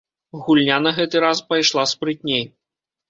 Гульня на гэты раз пайшла спрытней.